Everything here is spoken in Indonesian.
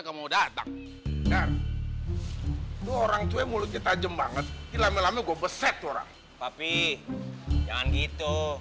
kamu datang dengan orang tua mulut kita aja banget hilang hilangnya gue beset orang tapi jangan gitu